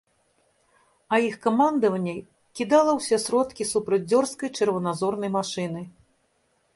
А іх камандаванне кідала ўсе сродкі супраць дзёрзкай чырваназорнай машыны.